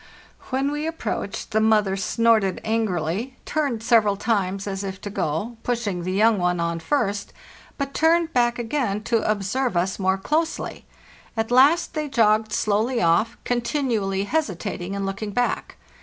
When we approached, the mother snorted angrily, turned several times as if to go, pushing the young one on first, but turned back again to observe us more closely. At last they jogged slowly off, continually hesitating and looking back.